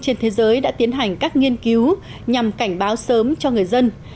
trên thế giới đã tiến hành các nghiên cứu nhằm cảnh báo sớm cho người dân